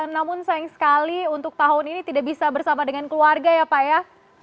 namun sayang sekali untuk tahun ini tidak bisa bersama dengan keluarga ya pak ya